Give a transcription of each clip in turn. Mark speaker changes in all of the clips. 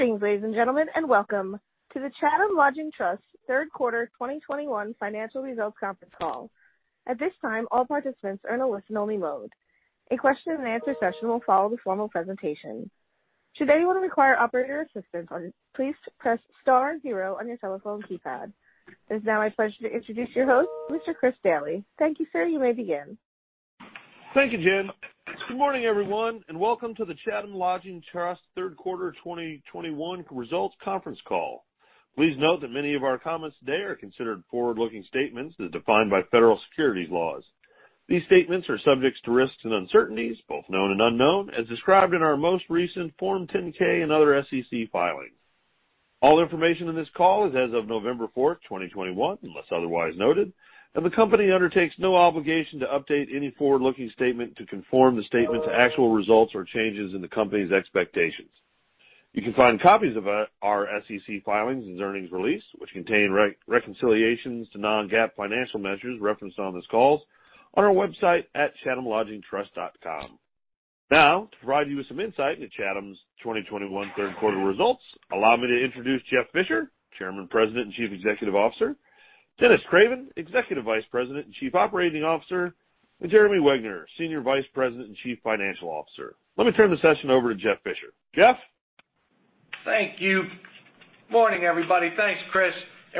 Speaker 1: Good evening, ladies and gentlemen, and welcome to the Chatham Lodging Trust's third quarter 2021 financial results conference call. At this time, all participants are in a listen-only mode. A question-and-answer session will follow the formal presentation. Should anyone require operator assistance, please press star and zero on your telephone keypad. It is now my pleasure to introduce your host, Mr. Chris Daly. Thank you, sir. You may begin.
Speaker 2: Thank you, Jen. Good morning, everyone, and welcome to the Chatham Lodging Trust third quarter 2021 results conference call. Please note that many of our comments today are considered forward-looking statements as defined by federal securities laws. These statements are subject to risks and uncertainties, both known and unknown, as described in our most recent Form 10-K and other SEC filings. All information in this call is as of November 4, 2021, unless otherwise noted, and the company undertakes no obligation to update any forward-looking statement to conform the statement to actual results or changes in the company's expectations. You can find copies of our SEC filings and earnings release, which contain reconciliations to non-GAAP financial measures referenced on this call, on our website at chathamlodgingtrust.com. Now, to provide you with some insight into Chatham's 2021 third quarter results, allow me to introduce Jeff Fisher, Chairman, President, and Chief Executive Officer, Dennis Craven, Executive Vice President and Chief Operating Officer, and Jeremy Wegner, Senior Vice President and Chief Financial Officer. Let me turn the session over to Jeff Fisher. Jeff?
Speaker 3: Thank you. Morning, everybody. Thanks, Chris.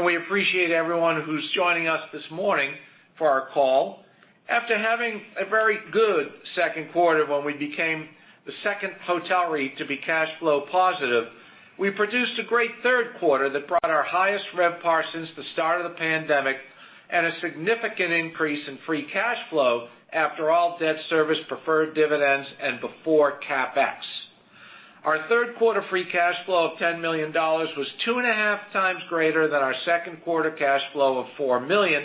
Speaker 3: We appreciate everyone who's joining us this morning for our call. After having a very good second quarter when we became the second hotel REIT to be cash flow positive, we produced a great third quarter that brought our highest RevPAR since the start of the pandemic and a significant increase in free cash flow after all debt service, preferred dividends, and before CapEx. Our third quarter free cash flow of $10 million was two and a half times greater than our second quarter cash flow of $4 million,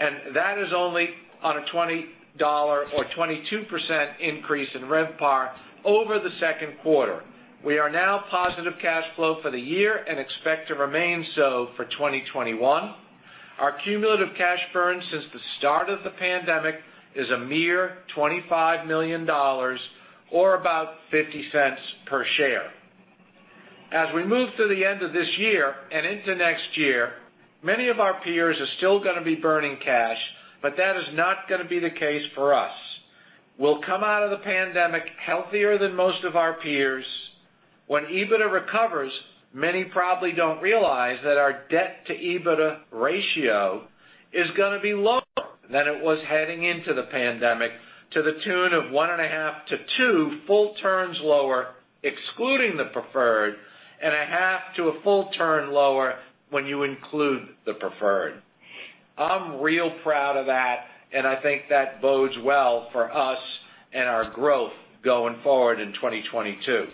Speaker 3: and that is only on a $20 or 22% increase in RevPAR over the second quarter. We are now positive cash flow for the year and expect to remain so for 2021. Our cumulative cash burn since the start of the pandemic is a mere $25 million or about $0.50 per share. As we move to the end of this year and into next year, many of our peers are still going to be burning cash, but that is not going to be the case for us. We'll come out of the pandemic healthier than most of our peers. When EBITDA recovers, many probably do not realize that our debt to EBITDA ratio is going to be lower than it was heading into the pandemic, to the tune of one and a half to two full turns lower, excluding the preferred, and a half to a full turn lower when you include the preferred. I'm real proud of that, and I think that bodes well for us and our growth going forward in 2022.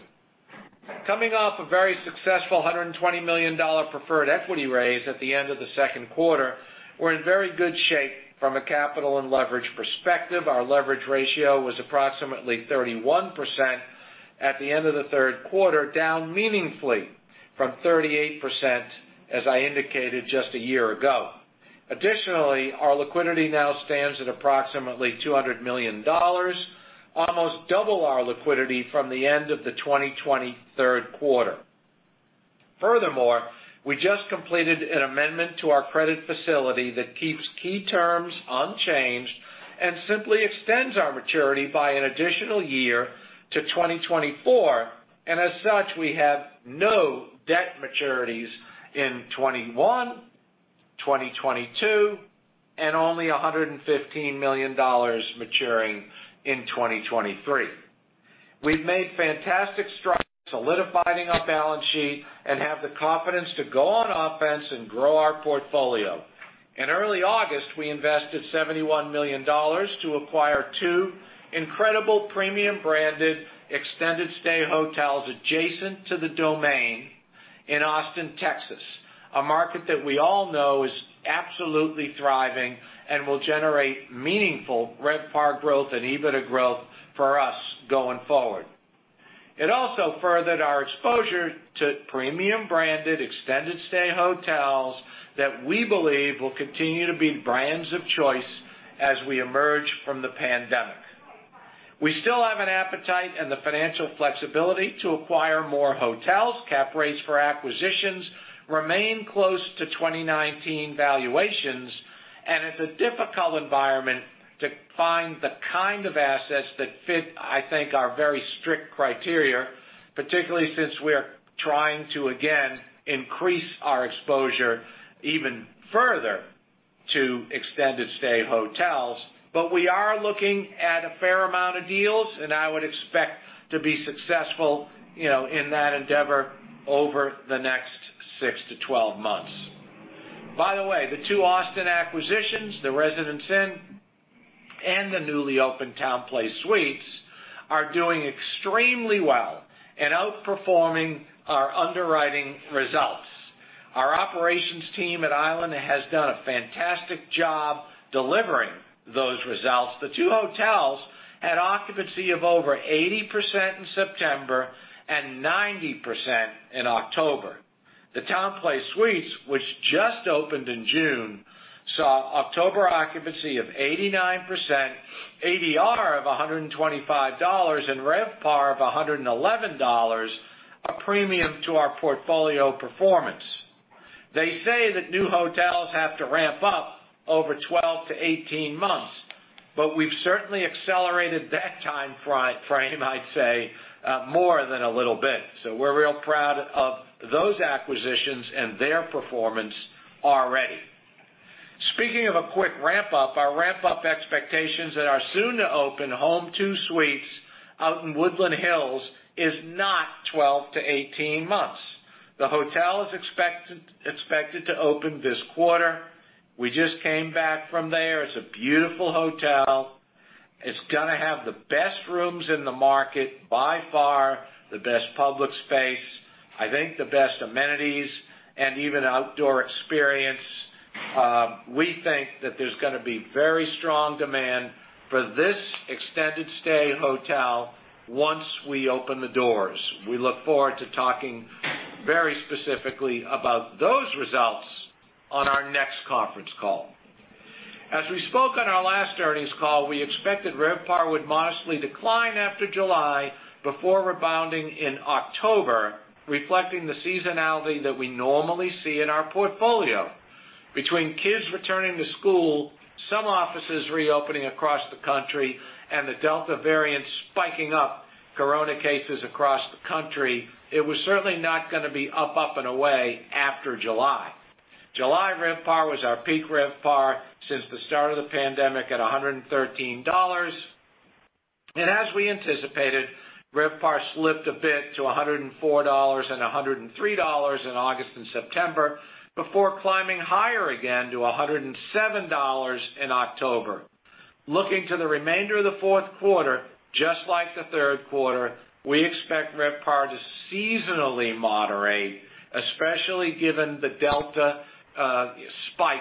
Speaker 3: Coming off a very successful $120 million preferred equity raise at the end of the second quarter, we're in very good shape from a capital and leverage perspective. Our leverage ratio was approximately 31% at the end of the third quarter, down meaningfully from 38%, as I indicated just a year ago. Additionally, our liquidity now stands at approximately $200 million, almost double our liquidity from the end of the 2023 quarter. Furthermore, we just completed an amendment to our credit facility that keeps key terms unchanged and simply extends our maturity by an additional year to 2024, and as such, we have no debt maturities in 2021, 2022, and only $115 million maturing in 2023. We've made fantastic strides solidifying our balance sheet and have the confidence to go on offense and grow our portfolio. In early August, we invested $71 million to acquire two incredible premium-branded extended stay hotels adjacent to the Domain in Austin, Texas, a market that we all know is absolutely thriving and will generate meaningful RevPAR growth and EBITDA growth for us going forward. It also furthered our exposure to premium-branded extended stay hotels that we believe will continue to be brands of choice as we emerge from the pandemic. We still have an appetite and the financial flexibility to acquire more hotels. Cap rates for acquisitions remain close to 2019 valuations, and it is a difficult environment to find the kind of assets that fit, I think, our very strict criteria, particularly since we are trying to, again, increase our exposure even further to extended stay hotels. We are looking at a fair amount of deals, and I would expect to be successful in that endeavor over the next 6 to 12 months. By the way, the two Austin acquisitions, the Residence Inn and the newly opened TownePlace Suites, are doing extremely well and outperforming our underwriting results. Our operations team at Island has done a fantastic job delivering those results. The two hotels had occupancy of over 80% in September and 90% in October. The TownePlace Suites, which just opened in June, saw October occupancy of 89%, ADR of $125, and RevPAR of $111, a premium to our portfolio performance. They say that new hotels have to ramp up over 12 to 18 months, but we've certainly accelerated that time frame, I'd say, more than a little bit. We are real proud of those acquisitions and their performance already. Speaking of a quick ramp up, our ramp up expectations at our soon-to-open Homewood Suites out in Warner Center, Woodland Hills is not 12 to 18 months. The hotel is expected to open this quarter. We just came back from there. It's a beautiful hotel. It's going to have the best rooms in the market, by far the best public space, I think the best amenities, and even outdoor experience. We think that there's going to be very strong demand for this extended stay hotel once we open the doors. We look forward to talking very specifically about those results on our next conference call. As we spoke on our last earnings call, we expected RevPAR would modestly decline after July before rebounding in October, reflecting the seasonality that we normally see in our portfolio. Between kids returning to school, some offices reopening across the country, and the Delta variant spiking up corona cases across the country, it was certainly not going to be up, up, and away after July. July RevPAR was our peak RevPAR since the start of the pandemic at $113. As we anticipated, RevPAR slipped a bit to $104 and $103 in August and September before climbing higher again to $107 in October. Looking to the remainder of the fourth quarter, just like the third quarter, we expect RevPAR to seasonally moderate, especially given the Delta spike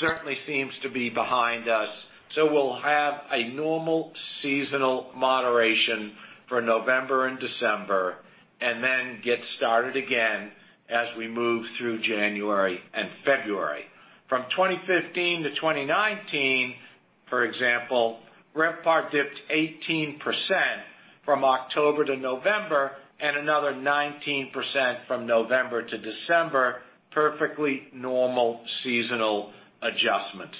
Speaker 3: certainly seems to be behind us. We will have a normal seasonal moderation for November and December and then get started again as we move through January and February. From 2015 to 2019, for example, RevPAR dipped 18% from October to November and another 19% from November to December, perfectly normal seasonal adjustments.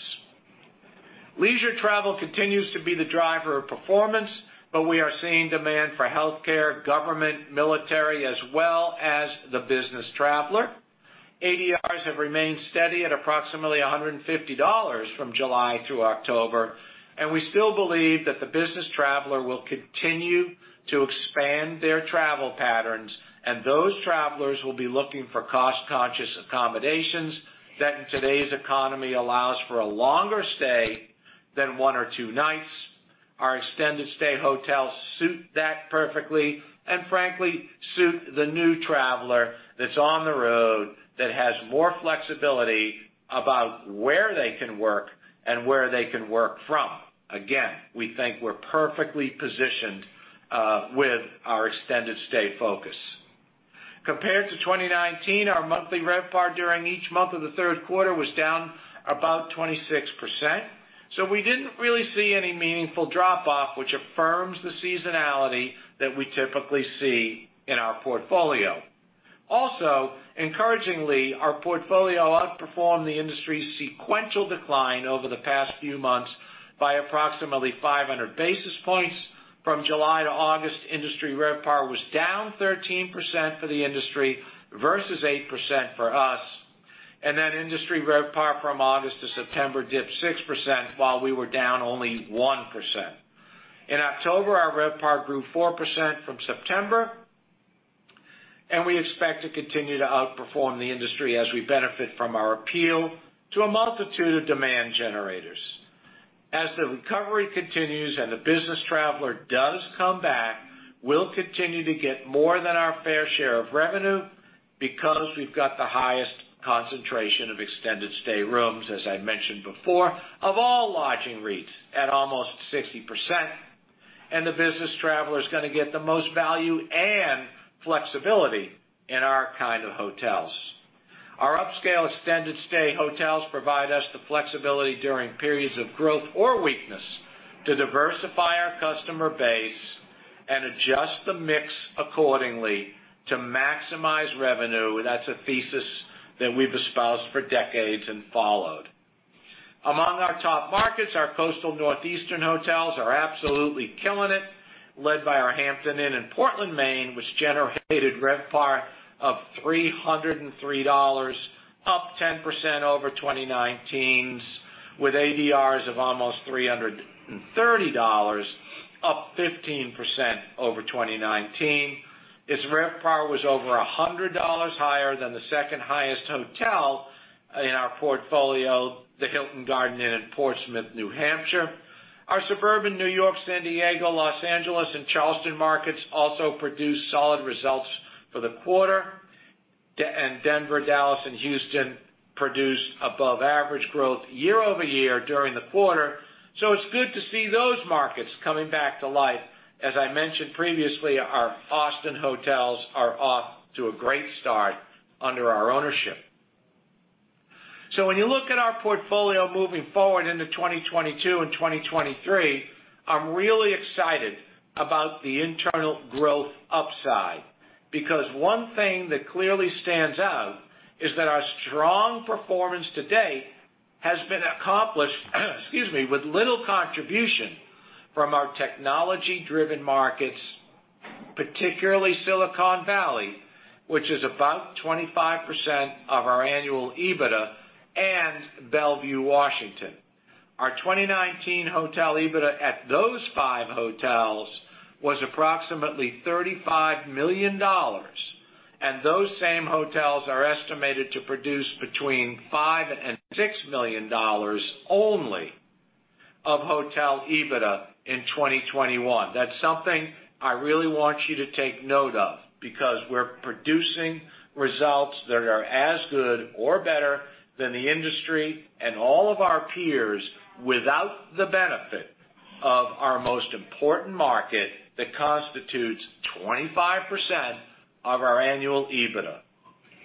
Speaker 3: Leisure travel continues to be the driver of performance, but we are seeing demand for healthcare, government, military, as well as the business traveler. ADRs have remained steady at approximately $150 from July through October, and we still believe that the business traveler will continue to expand their travel patterns, and those travelers will be looking for cost-conscious accommodations that, in today's economy, allows for a longer stay than one or two nights. Our extended stay hotels suit that perfectly and, frankly, suit the new traveler that's on the road that has more flexibility about where they can work and where they can work from. Again, we think we're perfectly positioned with our extended stay focus. Compared to 2019, our monthly RevPAR during each month of the third quarter was down about 26%. We did not really see any meaningful drop off, which affirms the seasonality that we typically see in our portfolio. Also, encouragingly, our portfolio outperformed the industry's sequential decline over the past few months by approximately 500 basis points. From July to August, industry RevPAR was down 13% for the industry versus 8% for us. Industry RevPAR from August to September dipped 6% while we were down only 1%. In October, our RevPAR grew 4% from September, and we expect to continue to outperform the industry as we benefit from our appeal to a multitude of demand generators. As the recovery continues and the business traveler does come back, we'll continue to get more than our fair share of revenue because we've got the highest concentration of extended stay rooms, as I mentioned before, of all lodging REITs at almost 60%. The business traveler is going to get the most value and flexibility in our kind of hotels. Our upscale extended stay hotels provide us the flexibility during periods of growth or weakness to diversify our customer base and adjust the mix accordingly to maximize revenue. That's a thesis that we've espoused for decades and followed. Among our top markets, our coastal northeastern hotels are absolutely killing it, led by our Hampton Inn in Portland, Maine, which generated RevPAR of $303, up 10% over 2019, with ADRs of almost $330, up 15% over 2019. Its RevPAR was over $100 higher than the second highest hotel in our portfolio, the Hilton Garden Inn in Portsmouth, New Hampshire. Our suburban New York, San Diego, Los Angeles, and Charleston markets also produced solid results for the quarter, and Denver, Dallas, and Houston produced above-average growth year over year during the quarter. It is good to see those markets coming back to life. As I mentioned previously, our Austin hotels are off to a great start under our ownership. When you look at our portfolio moving forward into 2022 and 2023, I am really excited about the internal growth upside because one thing that clearly stands out is that our strong performance to date has been accomplished, excuse me, with little contribution from our technology-driven markets, particularly Silicon Valley, which is about 25% of our annual EBITDA, and Bellevue, Washington. Our 2019 hotel EBITDA at those five hotels was approximately $35 million, and those same hotels are estimated to produce between $5 and $6 million only of hotel EBITDA in 2021. That's something I really want you to take note of because we're producing results that are as good or better than the industry and all of our peers without the benefit of our most important market that constitutes 25% of our annual EBITDA.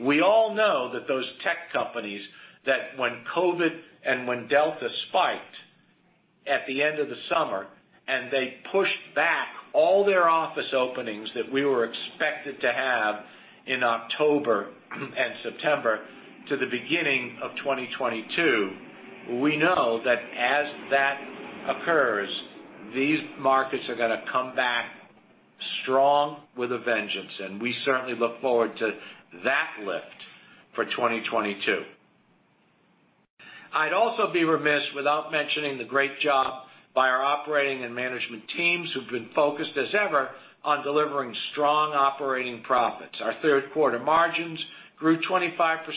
Speaker 3: We all know that those tech companies that, when COVID and when Delta spiked at the end of the summer and they pushed back all their office openings that we were expected to have in October and September to the beginning of 2022, we know that as that occurs, these markets are going to come back strong with a vengeance, and we certainly look forward to that lift for 2022. I'd also be remiss without mentioning the great job by our operating and management teams who've been focused as ever on delivering strong operating profits. Our third quarter margins grew 25%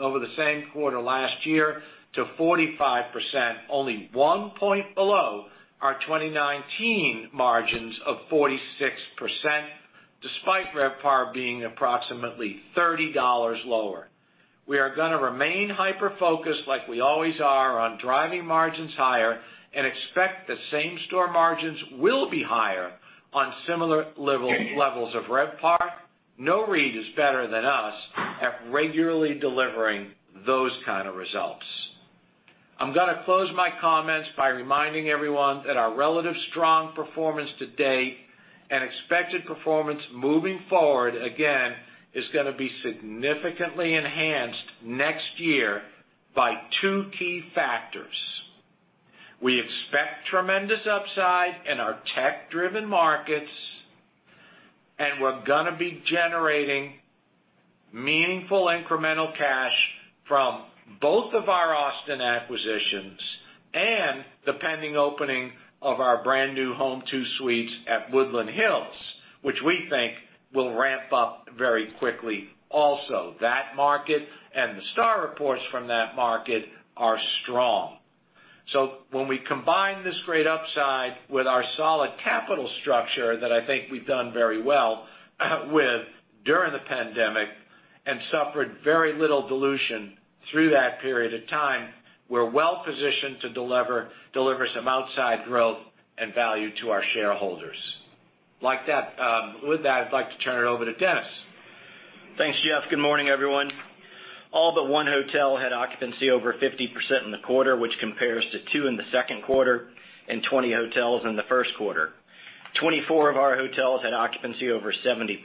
Speaker 3: over the same quarter last year to 45%, only one point below our 2019 margins of 46%, despite RevPAR being approximately $30 lower. We are going to remain hyper-focused like we always are on driving margins higher and expect that same store margins will be higher on similar levels of RevPAR. No REIT is better than us at regularly delivering those kind of results. I'm going to close my comments by reminding everyone that our relatively strong performance to date and expected performance moving forward, again, is going to be significantly enhanced next year by two key factors. We expect tremendous upside in our tech-driven markets, and we're going to be generating meaningful incremental cash from both of our Austin acquisitions and the pending opening of our brand new Homewood Suites at Woodland Hills, which we think will ramp up very quickly. Also, that market and the STR reports from that market are strong. When we combine this great upside with our solid capital structure that I think we've done very well with during the pandemic and suffered very little dilution through that period of time, we're well positioned to deliver some outside growth and value to our shareholders. With that, I'd like to turn it over to Dennis.
Speaker 4: Thanks, Jeff. Good morning, everyone. All but one hotel had occupancy over 50% in the quarter, which compares to two in the second quarter and 20 hotels in the first quarter. Twenty-four of our hotels had occupancy over 70%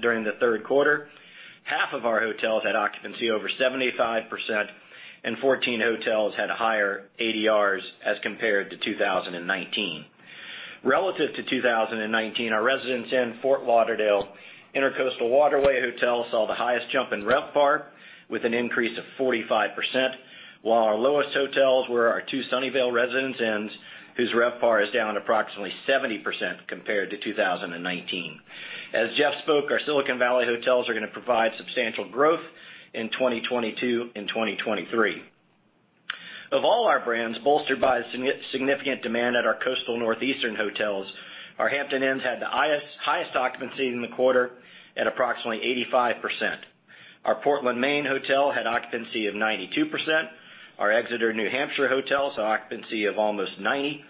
Speaker 4: during the third quarter. Half of our hotels had occupancy over 75%, and 14 hotels had higher ADRs as compared to 2019. Relative to 2019, our Residence Inn Fort Lauderdale Intracoastal Waterway hotel saw the highest jump in RevPAR with an increase of 45%, while our lowest hotels were our two Sunnyvale Residence Inns, whose RevPAR is down approximately 70% compared to 2019. As Jeff spoke, our Silicon Valley hotels are going to provide substantial growth in 2022 and 2023. Of all our brands, bolstered by significant demand at our coastal northeastern hotels, our Hampton Inns had the highest occupancy in the quarter at approximately 85%. Our Portland, Maine hotel had occupancy of 92%. Our Exeter, New Hampshire hotels had occupancy of almost 90%.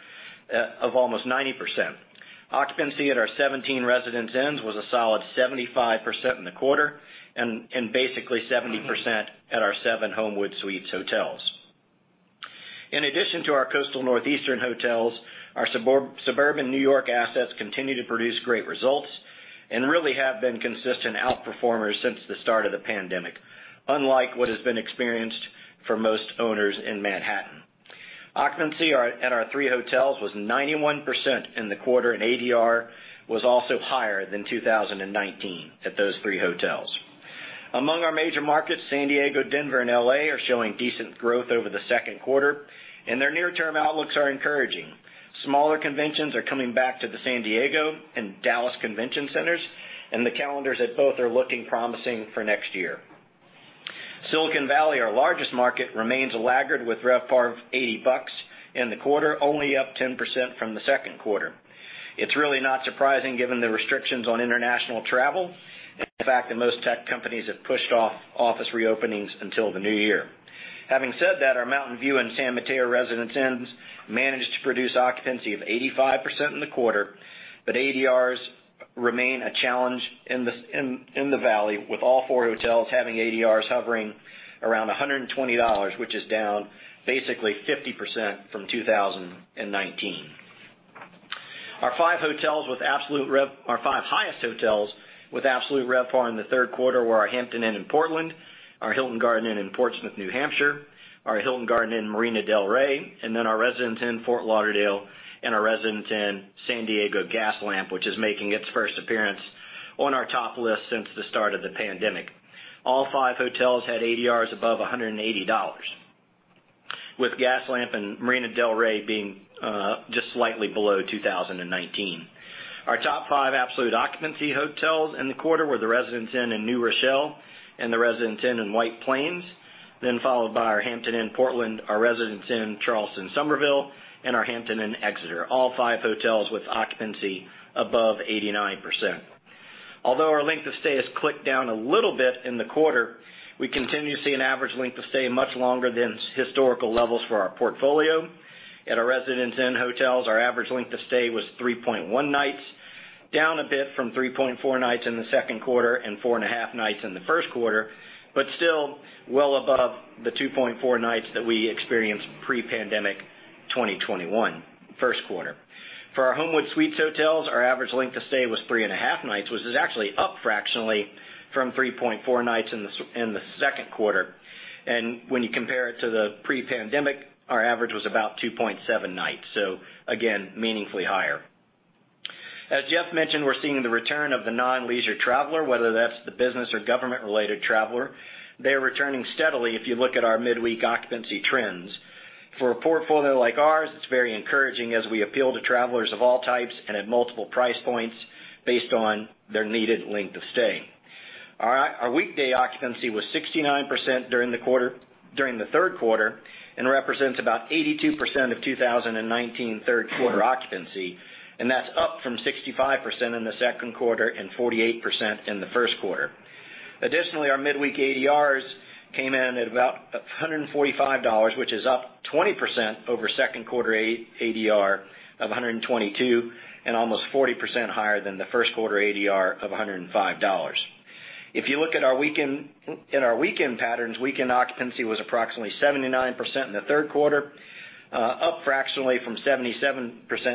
Speaker 4: Occupancy at our 17 Residence Inns was a solid 75% in the quarter and basically 70% at our seven Homewood Suites hotels. In addition to our coastal northeastern hotels, our suburban New York assets continue to produce great results and really have been consistent outperformers since the start of the pandemic, unlike what has been experienced for most owners in Manhattan. Occupancy at our three hotels was 91% in the quarter, and ADR was also higher than 2019 at those three hotels. Among our major markets, San Diego, Denver, and Los Angeles are showing decent growth over the second quarter, and their near-term outlooks are encouraging. Smaller conventions are coming back to the San Diego and Dallas convention centers, and the calendars at both are looking promising for next year. Silicon Valley, our largest market, remains laggard with RevPAR of $80 in the quarter, only up 10% from the second quarter. It's really not surprising given the restrictions on international travel and the fact that most tech companies have pushed off office reopenings until the new year. Having said that, our Mountain View and San Mateo Residence Inns managed to produce occupancy of 85% in the quarter, but ADRs remain a challenge in the valley, with all four hotels having ADRs hovering around $120, which is down basically 50% from 2019. Our five hotels with absolute rev, our five highest hotels with absolute RevPAR in the third quarter were our Hampton Inn in Portland, our Hilton Garden Inn in Portsmouth, New Hampshire, our Hilton Garden Inn in Marina del Rey, and then our Residence Inn in Fort Lauderdale and our Residence Inn San Diego Gaslamp, which is making its first appearance on our top list since the start of the pandemic. All five hotels had ADRs above $180, with Gaslamp and Marina del Rey being just slightly below 2019. Our top five absolute occupancy hotels in the quarter were the Residence Inn in New Rochelle and the Residence Inn in White Plains, then followed by our Hampton Inn in Portland, our Residence Inn in Charleston, Somerville, and our Hampton Inn Exeter, all five hotels with occupancy above 89%. Although our length of stay has clicked down a little bit in the quarter, we continue to see an average length of stay much longer than historical levels for our portfolio. At our Residence Inn hotels, our average length of stay was 3.1 nights, down a bit from 3.4 nights in the second quarter and 4.5 nights in the first quarter, but still well above the 2.4 nights that we experienced pre-pandemic 2021 first quarter. For our Homewood Suites hotels, our average length of stay was 3.5 nights, which is actually up fractionally from 3.4 nights in the second quarter. When you compare it to the pre-pandemic, our average was about 2.7 nights. Again, meaningfully higher. As Jeff mentioned, we're seeing the return of the non-leisure traveler, whether that's the business or government-related traveler. They're returning steadily if you look at our midweek occupancy trends. For a portfolio like ours, it's very encouraging as we appeal to travelers of all types and at multiple price points based on their needed length of stay. Our weekday occupancy was 69% during the third quarter and represents about 82% of 2019 third quarter occupancy, and that's up from 65% in the second quarter and 48% in the first quarter. Additionally, our midweek ADRs came in at about $145, which is up 20% over second quarter ADR of $122 and almost 40% higher than the first quarter ADR of $105. If you look at our weekend patterns, weekend occupancy was approximately 79% in the third quarter, up fractionally from 77%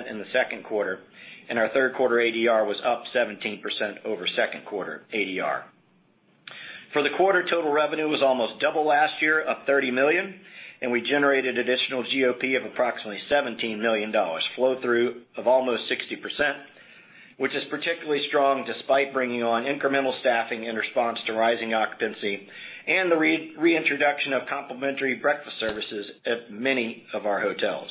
Speaker 4: in the second quarter, and our third quarter ADR was up 17% over second quarter ADR. For the quarter, total revenue was almost double last year, up $30 million, and we generated additional GOP of approximately $17 million, flow-through of almost 60%, which is particularly strong despite bringing on incremental staffing in response to rising occupancy and the reintroduction of complimentary breakfast services at many of our hotels.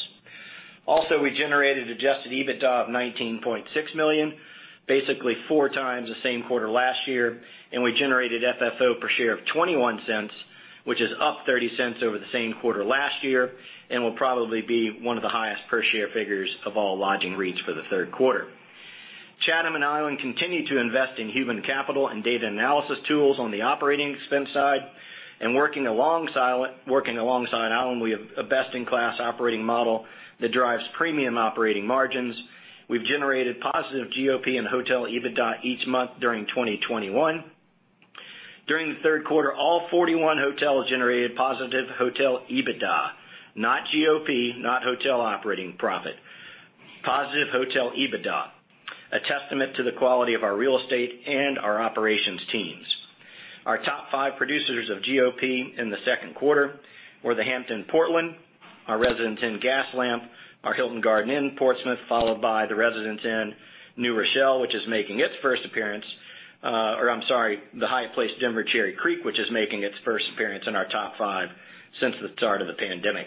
Speaker 4: Also, we generated adjusted EBITDA of $19.6 million, basically four times the same quarter last year, and we generated FFO per share of $0.21, which is up $0.30 over the same quarter last year and will probably be one of the highest per share figures of all lodging REITs for the third quarter. Chatham and Island continue to invest in human capital and data analysis tools on the operating expense side, and working alongside Island, we have a best-in-class operating model that drives premium operating margins. We've generated positive GOP and hotel EBITDA each month during 2021. During the third quarter, all 41 hotels generated positive hotel EBITDA, not GOP, not hotel operating profit, positive hotel EBITDA, a testament to the quality of our real estate and our operations teams. Our top five producers of GOP in the second quarter were the Hampton Inn Portland Maine, our Residence Inn San Diego Gaslamp, our Hilton Garden Inn Portsmouth, followed by the Residence Inn New Rochelle, which is making its first appearance, or I'm sorry, the high-placed Denver Cherry Creek, which is making its first appearance in our top five since the start of the pandemic.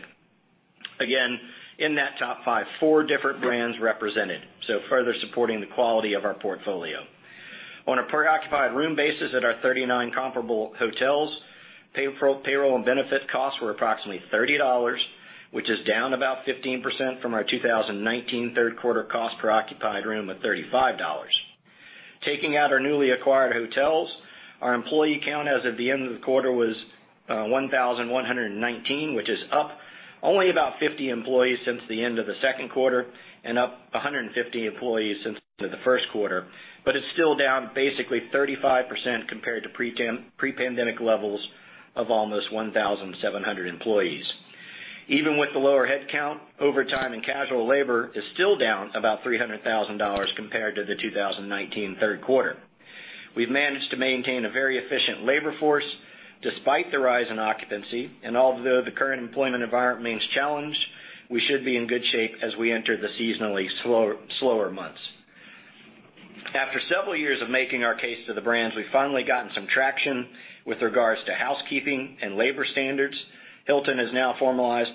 Speaker 4: Again, in that top five, four different brands represented, so further supporting the quality of our portfolio. On a per-occupied room basis at our 39 comparable hotels, payroll and benefit costs were approximately $30, which is down about 15% from our 2019 third quarter cost per occupied room of $35. Taking out our newly acquired hotels, our employee count as of the end of the quarter was 1,119, which is up only about 50 employees since the end of the second quarter and up 150 employees since the first quarter, but it's still down basically 35% compared to pre-pandemic levels of almost 1,700 employees. Even with the lower headcount, overtime and casual labor is still down about $300,000 compared to the 2019 third quarter. We've managed to maintain a very efficient labor force despite the rise in occupancy, and although the current employment environment remains challenged, we should be in good shape as we enter the seasonally slower months. After several years of making our case to the brands, we've finally gotten some traction with regards to housekeeping and labor standards. Hilton has now formalized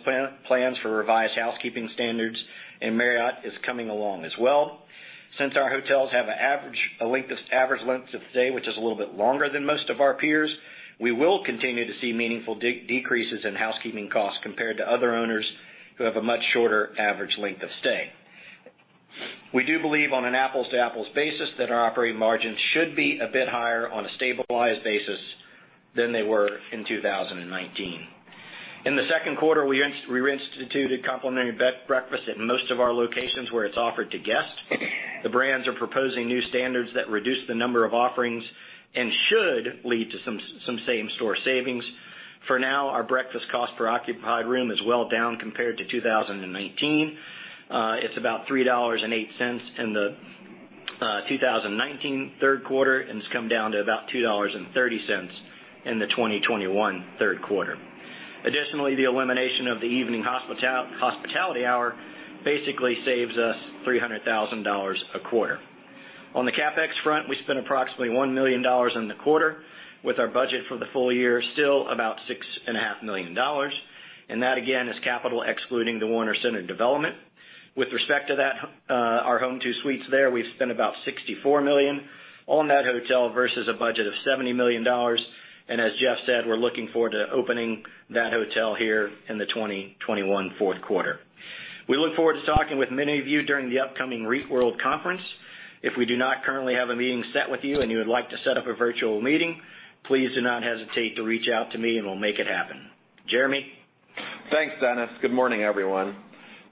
Speaker 4: plans for revised housekeeping standards, and Marriott is coming along as well. Since our hotels have an average length of stay, which is a little bit longer than most of our peers, we will continue to see meaningful decreases in housekeeping costs compared to other owners who have a much shorter average length of stay. We do believe on an apples-to-apples basis that our operating margins should be a bit higher on a stabilized basis than they were in 2019. In the second quarter, we reinstituted complimentary breakfast at most of our locations where it's offered to guests. The brands are proposing new standards that reduce the number of offerings and should lead to some same-store savings. For now, our breakfast cost per occupied room is well down compared to 2019. It's about $3.08 in the 2019 third quarter and has come down to about $2.30 in the 2021 third quarter. Additionally, the elimination of the evening hospitality hour basically saves us $300,000 a quarter. On the CapEx front, we spent approximately $1 million in the quarter with our budget for the full year still about $6.5 million, and that again is capital excluding the Warner Center development. With respect to that, our Homewood Suites there, we've spent about $64 million on that hotel versus a budget of $70 million, and as Jeff said, we're looking forward to opening that hotel here in the 2021 fourth quarter. We look forward to talking with many of you during the upcoming REIT World Conference. If we do not currently have a meeting set with you and you would like to set up a virtual meeting, please do not hesitate to reach out to me and we'll make it happen. Jeremy.
Speaker 5: Thanks, Dennis. Good morning, everyone.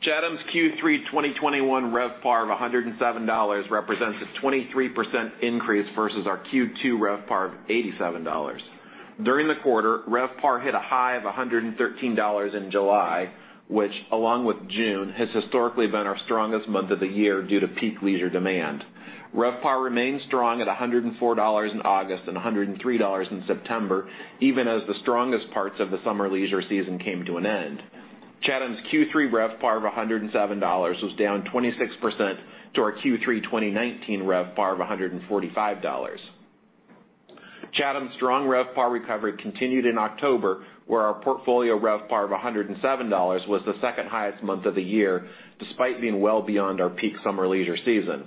Speaker 5: Chatham's Q3 2021 RevPAR of $107 represents a 23% increase versus our Q2 RevPAR of $87. During the quarter, RevPAR hit a high of $113 in July, which, along with June, has historically been our strongest month of the year due to peak leisure demand. RevPAR remained strong at $104 in August and $103 in September, even as the strongest parts of the summer leisure season came to an end. Chatham's Q3 RevPAR of $107 was down 26% to our Q3 2019 RevPAR of $145. Chatham's strong RevPAR recovery continued in October, where our portfolio RevPAR of $107 was the second highest month of the year despite being well beyond our peak summer leisure season.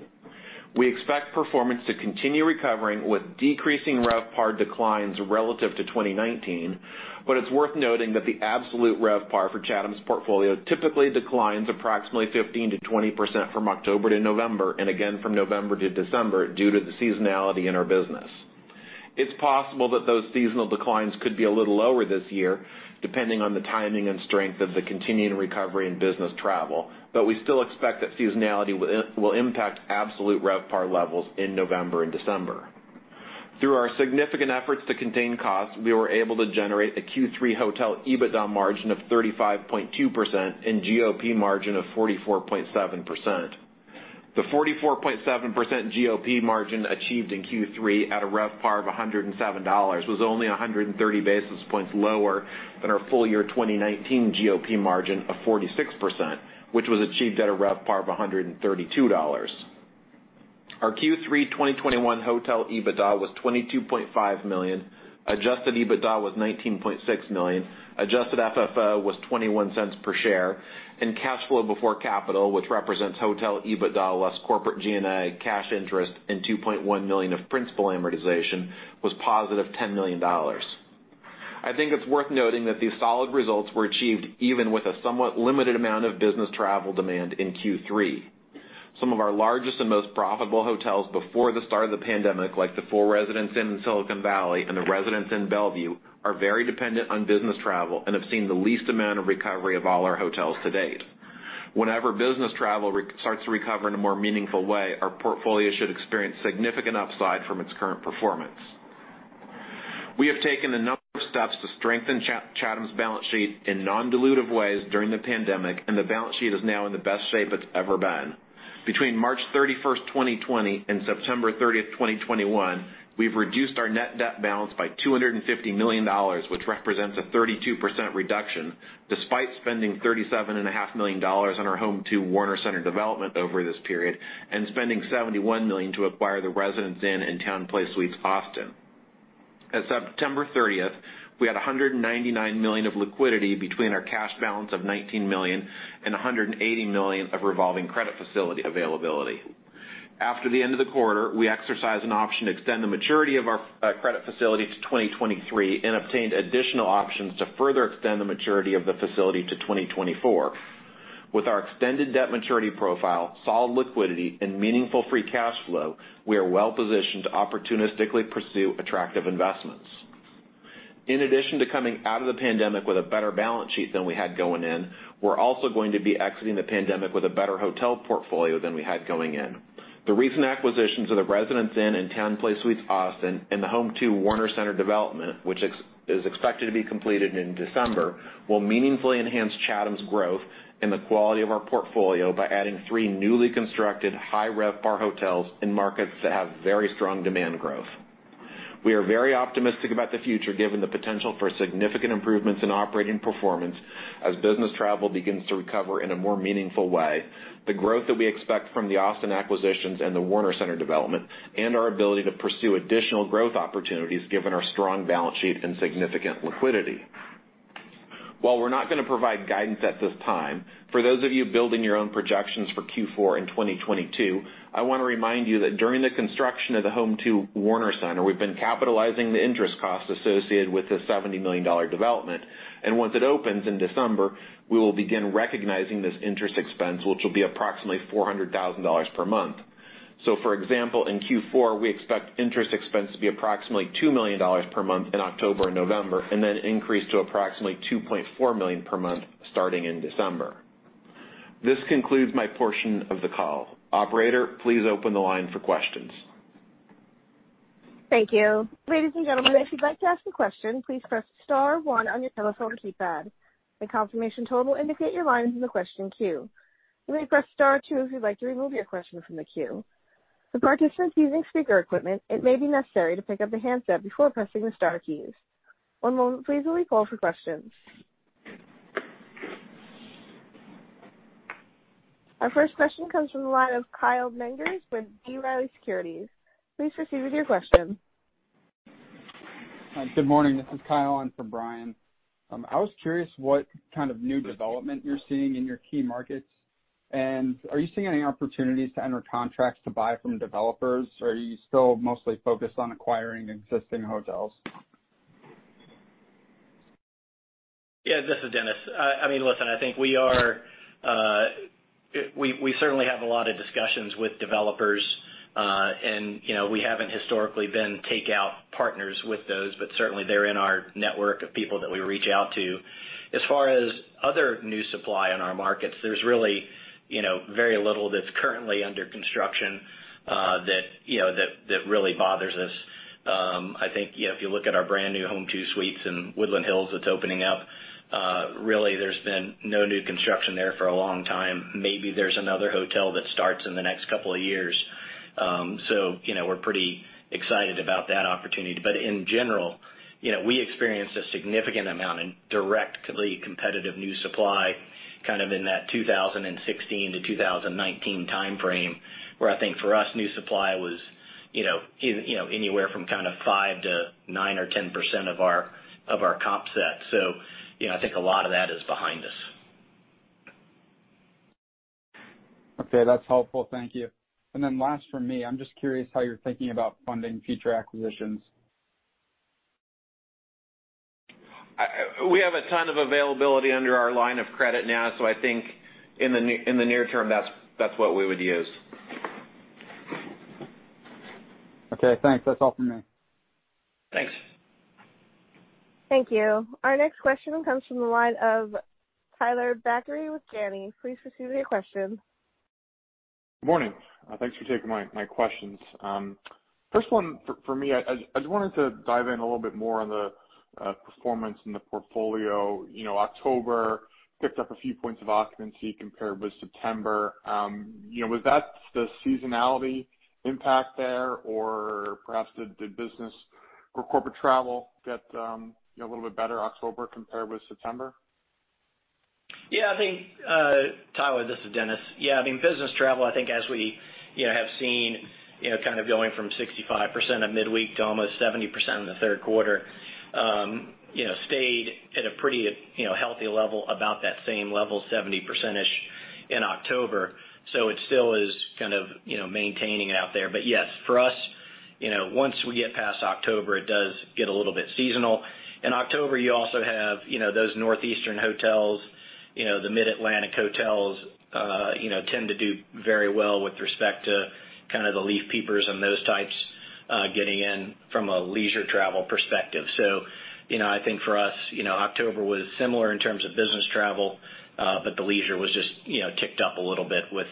Speaker 5: We expect performance to continue recovering with decreasing RevPAR declines relative to 2019, but it's worth noting that the absolute RevPAR for Chatham's portfolio typically declines approximately 15%-20% from October to November and again from November to December due to the seasonality in our business. It's possible that those seasonal declines could be a little lower this year depending on the timing and strength of the continuing recovery in business travel, but we still expect that seasonality will impact absolute RevPAR levels in November and December. Through our significant efforts to contain costs, we were able to generate a Q3 hotel EBITDA margin of 35.2% and GOP margin of 44.7%. The 44.7% GOP margin achieved in Q3 at a RevPAR of $107 was only 130 basis points lower than our full year 2019 GOP margin of 46%, which was achieved at a RevPAR of $132. Our Q3 2021 hotel EBITDA was $22.5 million, adjusted EBITDA was $19.6 million, adjusted FFO was $0.21 per share, and cash flow before capital, which represents hotel EBITDA less corporate G&A cash interest and $2.1 million of principal amortization, was positive $10 million. I think it's worth noting that these solid results were achieved even with a somewhat limited amount of business travel demand in Q3. Some of our largest and most profitable hotels before the start of the pandemic, like the four Residence Inn in Silicon Valley and the Residence Inn Bellevue, are very dependent on business travel and have seen the least amount of recovery of all our hotels to date. Whenever business travel starts to recover in a more meaningful way, our portfolio should experience significant upside from its current performance. We have taken a number of steps to strengthen Chatham's balance sheet in non-dilutive ways during the pandemic, and the balance sheet is now in the best shape it's ever been. Between March 31, 2020, and September 30, 2021, we've reduced our net debt balance by $250 million, which represents a 32% reduction despite spending $37.5 million on our Homewood Suites Warner Center development over this period and spending $71 million to acquire the Residence Inn and TownePlace Suites, Austin. At September 30, we had $199 million of liquidity between our cash balance of $19 million and $180 million of revolving credit facility availability. After the end of the quarter, we exercised an option to extend the maturity of our credit facility to 2023 and obtained additional options to further extend the maturity of the facility to 2024. With our extended debt maturity profile, solid liquidity, and meaningful free cash flow, we are well positioned to opportunistically pursue attractive investments. In addition to coming out of the pandemic with a better balance sheet than we had going in, we're also going to be exiting the pandemic with a better hotel portfolio than we had going in. The recent acquisitions of the Residence Inn and TownePlace Suites, Austin, and the Homewood Suites Warner Center development, which is expected to be completed in December, will meaningfully enhance Chatham's growth and the quality of our portfolio by adding three newly constructed high RevPAR hotels in markets that have very strong demand growth. We are very optimistic about the future given the potential for significant improvements in operating performance as business travel begins to recover in a more meaningful way, the growth that we expect from the Austin acquisitions and the Warner Center development, and our ability to pursue additional growth opportunities given our strong balance sheet and significant liquidity. While we're not going to provide guidance at this time, for those of you building your own projections for Q4 in 2022, I want to remind you that during the construction of the Homewood Suites Warner Center, we've been capitalizing the interest cost associated with this $70 million development, and once it opens in December, we will begin recognizing this interest expense, which will be approximately $400,000 per month. For example, in Q4, we expect interest expense to be approximately $2 million per month in October and November, and then increase to approximately $2.4 million per month starting in December. This concludes my portion of the call. Operator, please open the line for questions. Thank you.
Speaker 1: Ladies and gentlemen, if you'd like to ask a question, please press star one on your telephone keypad. A confirmation tone will indicate your line is in the question queue. You may press star two if you'd like to remove your question from the queue. For participants using speaker equipment, it may be necessary to pick up the handset before pressing the star keys. One moment, please, and we'll call for questions. Our first question comes from the line of Kyle Menges with. Please proceed with your question. Good morning. This is Kyle. I'm from Bryan. I was curious what kind of new development you're seeing in your key markets, and are you seeing any opportunities to enter contracts to buy from developers, or are you still mostly focused on acquiring existing hotels?
Speaker 4: Yeah, this is Dennis. I mean, listen, I think we are—we certainly have a lot of discussions with developers, and we haven't historically been takeout partners with those, but certainly they're in our network of people that we reach out to. As far as other new supply on our markets, there's really very little that's currently under construction that really bothers us. I think if you look at our brand new Homewood Suites in Warner Center, Woodland Hills that's opening up, really there's been no new construction there for a long time. Maybe there's another hotel that starts in the next couple of years. We are pretty excited about that opportunity. In general, we experienced a significant amount of directly competitive new supply kind of in that 2016-2019 timeframe, where I think for us, new supply was anywhere from 5-9% or 10% of our comp set. I think a lot of that is behind us.
Speaker 6: Okay. That's helpful. Thank you. Last for me, I'm just curious how you're thinking about funding future acquisitions.
Speaker 4: We have a ton of availability under our line of credit now, so I think in the near term that's what we would use.
Speaker 6: Okay. Thanks. That's all for me.
Speaker 4: Thanks.
Speaker 1: Thank you. Our next question comes from the line of Tyler Batory with D.A. Davidson. Please proceed with your question.
Speaker 2: Good morning. Thanks for taking my questions. First one for me, I just wanted to dive in a little bit more on the performance in the portfolio. October picked up a few points of occupancy compared with September. Was that the seasonality impact there, or perhaps did business or corporate travel get a little bit better October compared with September?
Speaker 4: Yeah. I think, Tyler, this is Dennis. Yeah. I mean, business travel, I think as we have seen kind of going from 65% of midweek to almost 70% in the third quarter, stayed at a pretty healthy level, about that same level, 70%-ish in October. It still is kind of maintaining out there. Yes, for us, once we get past October, it does get a little bit seasonal. In October, you also have those northeastern hotels. The Mid-Atlantic hotels tend to do very well with respect to kind of the leaf peepers and those types getting in from a leisure travel perspective. I think for us, October was similar in terms of business travel, but the leisure was just ticked up a little bit with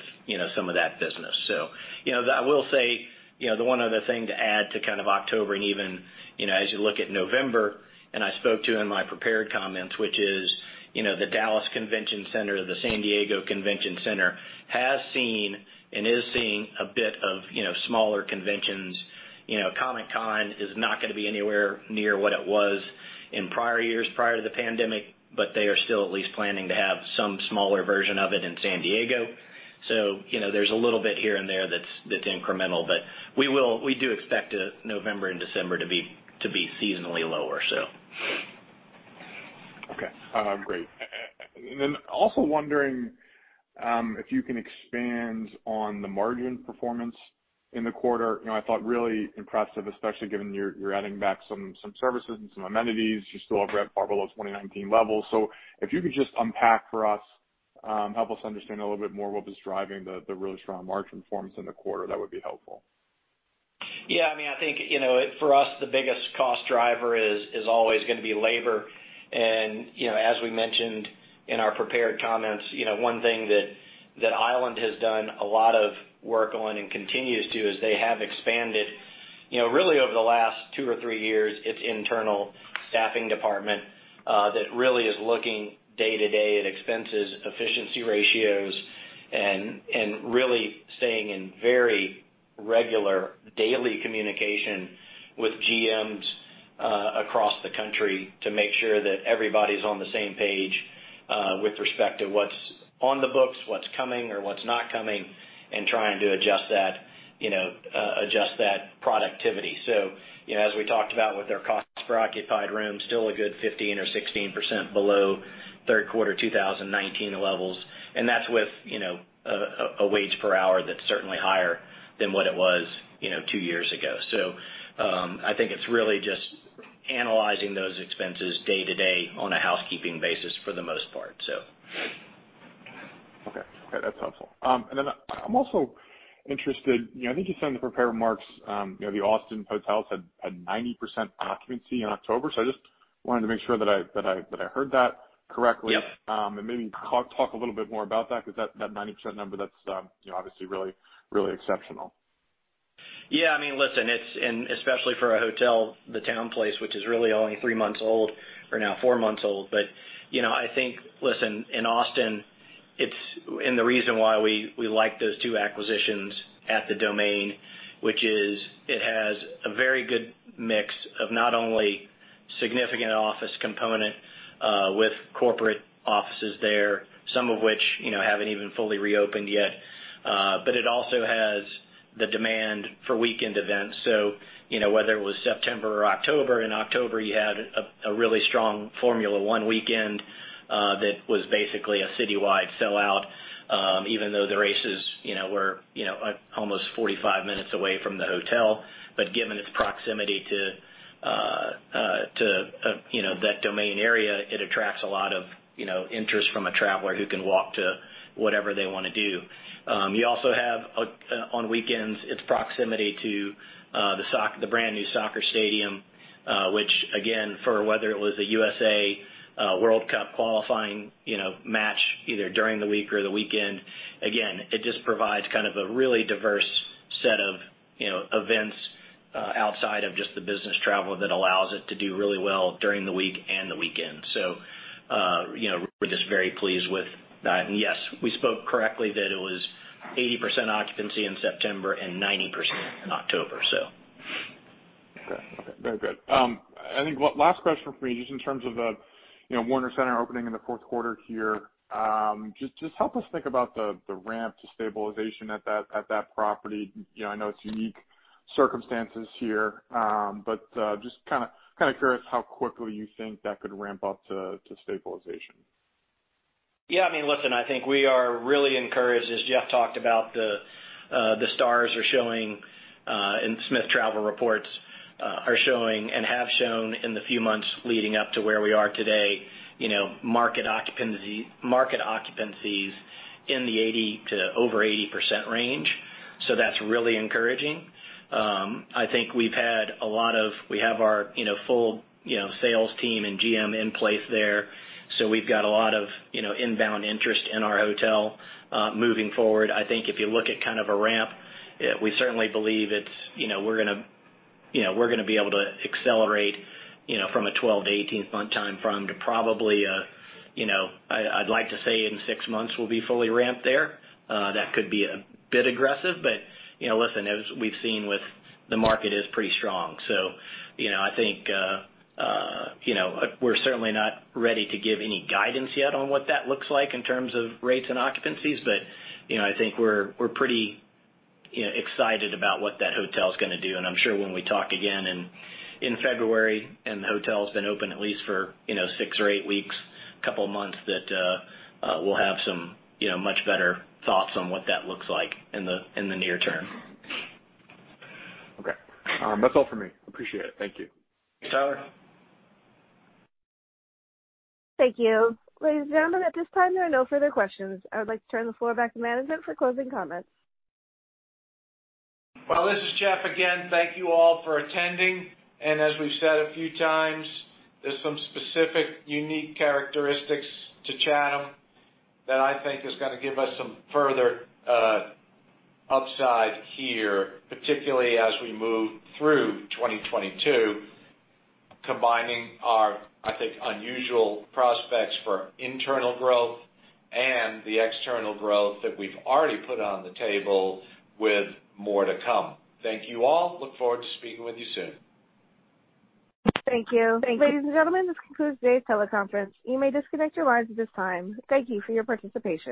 Speaker 4: some of that business. I will say the one other thing to add to kind of October and even as you look at November, and I spoke to in my prepared comments, which is the Dallas Convention Center, the San Diego Convention Center has seen and is seeing a bit of smaller conventions. Comic-Con is not going to be anywhere near what it was in prior years prior to the pandemic, but they are still at least planning to have some smaller version of it in San Diego. There is a little bit here and there that is incremental, but we do expect November and December to be seasonally lower.
Speaker 7: Okay. Great. Also wondering if you can expand on the margin performance in the quarter. I thought really impressive, especially given you're adding back some services and some amenities. You still have RevPAR below 2019 levels. If you could just unpack for us, help us understand a little bit more what was driving the really strong margin performance in the quarter, that would be helpful.
Speaker 4: Yeah. I mean, I think for us, the biggest cost driver is always going to be labor. As we mentioned in our prepared comments, one thing that Island has done a lot of work on and continues to is they have expanded really over the last two or three years, its internal staffing department that really is looking day to day at expenses, efficiency ratios, and really staying in very regular daily communication with GMs across the country to make sure that everybody's on the same page with respect to what's on the books, what's coming, or what's not coming, and trying to adjust that productivity. As we talked about with their cost per occupied room, still a good 15% or 16% below third quarter 2019 levels, and that's with a wage per hour that's certainly higher than what it was two years ago. I think it's really just analyzing those expenses day to day on a housekeeping basis for the most part.
Speaker 2: Okay. That's helpful. I'm also interested, I think you said in the prepared remarks, the Austin hotels had 90% occupancy in October. I just wanted to make sure that I heard that correctly. Maybe talk a little bit more about that because that 90% number, that's obviously really exceptional.
Speaker 4: I mean, listen, and especially for a hotel, the TownePlace, which is really only three months old or now four months old. I think, listen, in Austin, and the reason why we like those two acquisitions at the Domain, which is it has a very good mix of not only significant office component with corporate offices there, some of which have not even fully reopened yet, but it also has the demand for weekend events. Whether it was September or October, in October, you had a really strong Formula One weekend that was basically a citywide sellout, even though the races were almost 45 minutes away from the hotel. Given its proximity to that Domain area, it attracts a lot of interest from a traveler who can walk to whatever they want to do. You also have, on weekends, its proximity to the brand new soccer stadium, which, again, for whether it was a USA World Cup qualifying match either during the week or the weekend, it just provides kind of a really diverse set of events outside of just the business travel that allows it to do really well during the week and the weekend. We are just very pleased with that. Yes, we spoke correctly that it was 80% occupancy in September and 90% in October.
Speaker 2: Okay. Very good. I think last question for me, just in terms of the Warner Center opening in the fourth quarter here. Just help us think about the ramp to stabilization at that property. I know it is unique circumstances here, but just kind of curious how quickly you think that could ramp up to stabilization.
Speaker 4: Yeah. I mean, listen, I think we are really encouraged, as Jeff talked about, the stars are showing in Smith Travel Research are showing and have shown in the few months leading up to where we are today, market occupancies in the 80%-over 80% range. That is really encouraging. I think we've had a lot of we have our full sales team and GM in place there. We've got a lot of inbound interest in our hotel moving forward. I think if you look at kind of a ramp, we certainly believe it's we're going to be able to accelerate from a 12-18 month time frame to probably a I'd like to say in six months we'll be fully ramped there. That could be a bit aggressive. Listen, as we've seen with the market is pretty strong. I think we're certainly not ready to give any guidance yet on what that looks like in terms of rates and occupancies, but I think we're pretty excited about what that hotel is going to do. I'm sure when we talk again in February and the hotel has been open at least for six or eight weeks, a couple of months, that we'll have some much better thoughts on what that looks like in the near term.
Speaker 7: Okay. That's all for me. Appreciate it. Thank you.
Speaker 4: Thanks, Tyler.
Speaker 1: Thank you. Ladies and gentlemen, at this time, there are no further questions. I would like to turn the floor back to management for closing comments.
Speaker 3: This is Jeff again. Thank you all for attending. As we have said a few times, there are some specific unique characteristics to Chatham that I think are going to give us some further upside here, particularly as we move through 2022, combining our, I think, unusual prospects for internal growth and the external growth that we have already put on the table with more to come. Thank you all. Look forward to speaking with you soon.
Speaker 1: Thank you. Thank you. Ladies and gentlemen, this concludes today's teleconference. You may disconnect your lines at this time. Thank you for your participation.